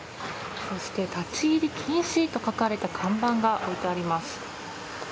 そして、立ち入り禁止と書かれた看板が置いてあります。